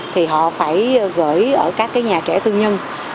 thì họ phải gửi ở các nhà trẻ tư nhân